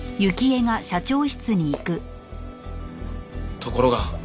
ところが。